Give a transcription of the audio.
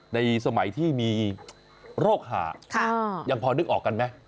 ในสมัยที่มีโรคหายังพอนึกออกกันไหม